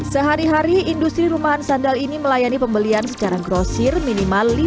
sehari hari industri rumahan sandal ini melayani pembelian secara grosir minimal